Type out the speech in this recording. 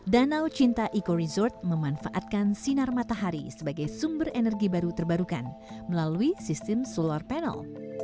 danau cinta eco resort memanfaatkan sinar matahari sebagai sumber energi baru terbarukan melalui sistem solar panel